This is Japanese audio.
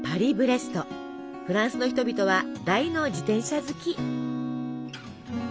フランスの人々は大の自転車好き！